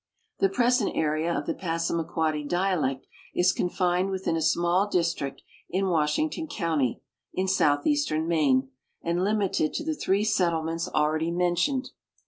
Tlie present area of the Passamaquoddy dialect is confined within a small district in Washington county, in southeastern Maine, and limited to the three settlements already mentioned.